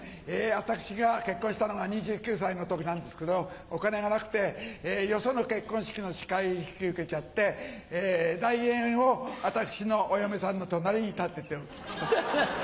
私が結婚したのが２９歳の時なんですけどお金がなくてよその結婚式の司会引き受けちゃって代演を私のお嫁さんの隣に立てておきました。